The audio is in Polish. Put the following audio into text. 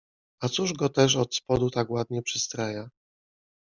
A cóż go też od spodu tak ładnie przystraja?